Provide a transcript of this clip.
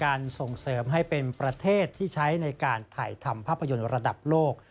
ส่งเสริมให้เป็นประเทศที่ใช้ในการถ่ายทำภาพยนตร์ระดับโลก